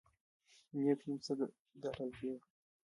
نیک نوم څنګه ګټل کیږي؟